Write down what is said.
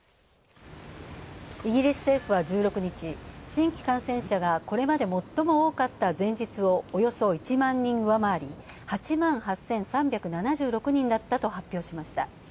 イギリス政府は１６日、新規感染者がこれまで最も多かった前日をおよそ１万人上回り８万８３６０人だったと発表しました。